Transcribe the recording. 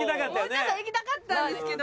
もうちょっと行きたかったんですけど。